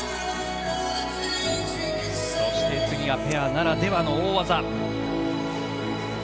そして次がペアならではの大技。